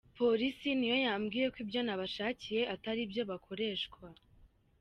Polisi niyo yambwiye ko ibyo nabashakiye atari byo bakoreshwa".